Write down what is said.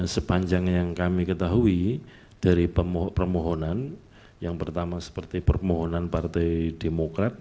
sepanjang yang kami ketahui dari permohonan yang pertama seperti permohonan partai demokrat